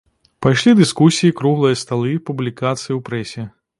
Пайшлі дыскусіі, круглыя сталы, публікацыі ў прэсе.